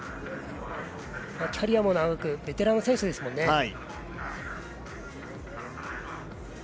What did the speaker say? キャリアも長くベテラン選手ですからね。